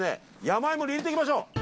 山いもに入れていきましょう。